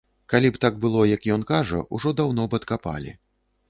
Калі б так было, як ён кажа, ужо даўно б адкапалі.